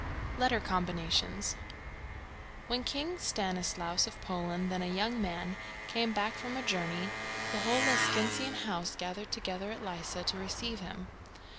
LETTER COMBINATIONS. When King Stanislaus of Poland, then a young man, came back from a journey, the whole Lescinskian House gathered together at Lissa to receive him.